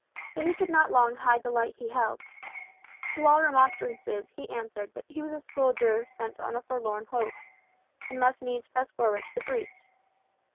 But he could not long hide the light he held. To all remonstrances he answered, that he was a soldier sent on a forlorn hope, and must needs press forward to the breach.